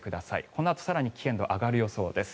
このあと更に危険度が上がる予想です。